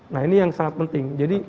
nah ini yang sangat penting